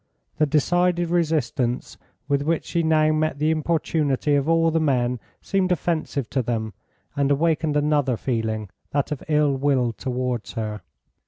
The decided resistance with which she now met the importunity of all the men seemed offensive to them, and awakened another feeling, that of ill will towards her.